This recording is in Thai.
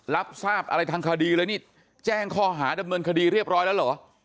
รับทราบอะไรทางคดีเลยนี่แจ้งข้อหาดำเนินคดีเรียบร้อยแล้วเหรอ